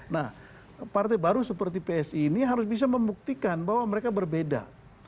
nah partai baru seperti psi ini harus bisa membuktikan bahwa mereka berbeda